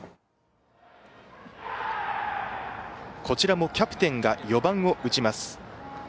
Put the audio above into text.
こちらもキャプテンが４番を打ちます。